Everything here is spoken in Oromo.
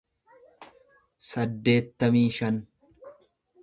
saddeettamii shan